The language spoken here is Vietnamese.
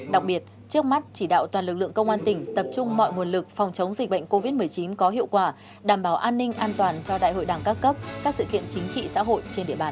đặc biệt trước mắt chỉ đạo toàn lực lượng công an tỉnh tập trung mọi nguồn lực phòng chống dịch bệnh covid một mươi chín có hiệu quả đảm bảo an ninh an toàn cho đại hội đảng các cấp các sự kiện chính trị xã hội trên địa bàn